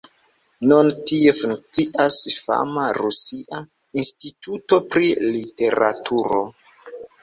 Nun tie funkcias fama rusia Instituto pri literaturo.